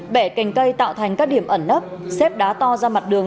bẻ cành cây tạo thành các điểm ẩn nấp xếp đá to ra mặt đường